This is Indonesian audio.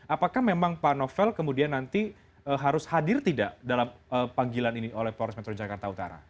apakah memang pak novel kemudian nanti harus hadir tidak dalam panggilan ini oleh polres metro jakarta utara